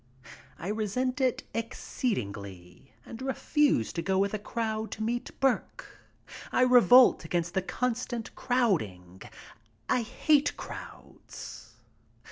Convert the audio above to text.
I resent it exceedingly and refuse to go with a crowd to meet Burke. I revolt against the con stant crowding. I hate crowds.